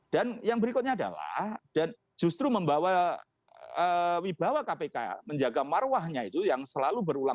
dan yang berikutnya adalah dan justru membawa wibawa kpk menjaga maruahnya itu yang selalu berhubungan